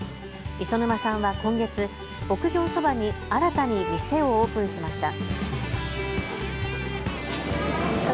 磯沼さんは今月、牧場そばに新たに店をオープンしました。